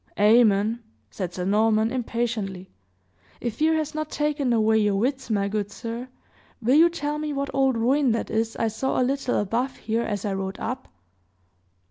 "Amen!" said Sir Norman, impatiently. "If fear has not taken away your wits, my good sir, will you tell me what old ruin that is I saw a little above here as I rode up?"